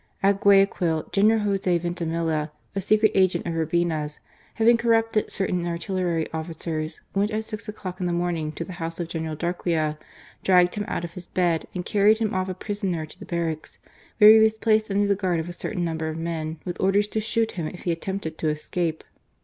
At Guayaquil, General Jos6 Vintimilla, a secret agent of Urbina's, having corrupted certain artillery officers, went at six o'clock in the morning to the house of General Darquea, dragged him out of his bed, and carried him off a prisoner to the barracks, where he was placed under the guard of a certain number of men with orders to shoot him if he attempted to escape.